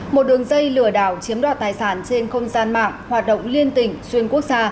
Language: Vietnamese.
một đường dây lừa đảo chiếm đoạt tài sản trên không gian mạng hoạt động liên tỉnh xuyên quốc gia